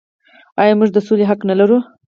آیا موږ د سولې حق نلرو؟